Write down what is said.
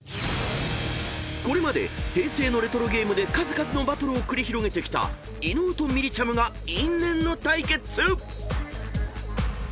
［これまで平成のレトロゲームで数々のバトルを繰り広げてきた伊野尾とみりちゃむが因縁の対決］